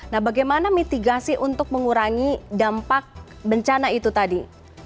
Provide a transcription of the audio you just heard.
nah bagaimana mitigasi untuk mengurangi dampak bencana itu tadi